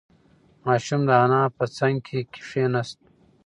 ماشوم د انا په څنگ کې کېناست.